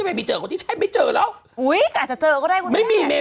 ไม่มีเจอคนที่ใช่ไม่เจอแล้วอุ้ยแต่อาจจะเจอก็ได้คุณแม่ไม่มีเม